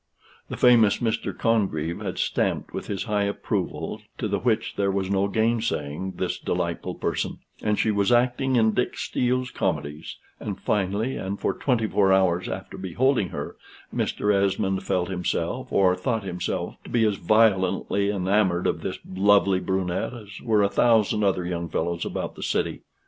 The famous Mr. Congreve had stamped with his high approval, to the which there was no gainsaying, this delightful person: and she was acting in Dick Steele's comedies, and finally, and for twenty four hours after beholding her, Mr. Esmond felt himself, or thought himself, to be as violently enamored of this lovely brunette, as were a thousand other young fellows about the city.